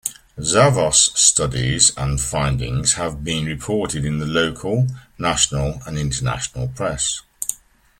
Zavos' studies and findings have been reported in the local, national and international press.